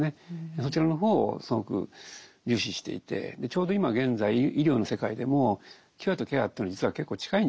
そちらの方をすごく重視していてちょうど今現在医療の世界でもキュアとケアってのは実は結構近いんじゃないかと。